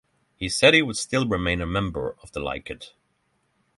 He said he would still remain a member of the Likud.